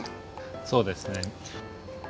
そうですね。